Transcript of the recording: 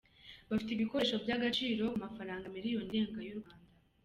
Bafite ibikoresho by’agaciro k’amafaranga miliyoni irenga y’u Rwanda.